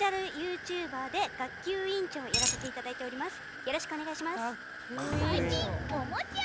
ＶＴｕｂｅｒで学級委員長をやらせていただいております。